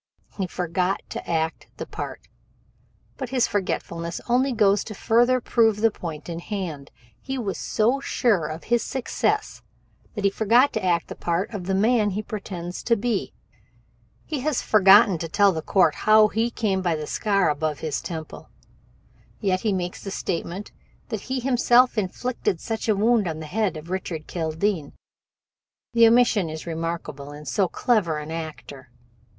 He forgot to act the part. But this forgetfulness only goes to further prove the point in hand. He was so sure of success that he forgot to act the part of the man he pretends to be. "He has forgotten to tell the court how he came by that scar above his temple, yet he makes the statement that he himself inflicted such a wound on the head of Richard Kildene the omission is remarkable in so clever an actor.